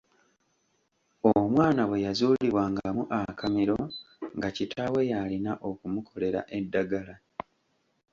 Omwana bwe yazuulibwangamu akamiro nga kitaawe yaalina okumukolera eddagala.